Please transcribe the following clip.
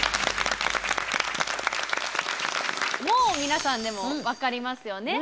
もう皆さん分かりますよね？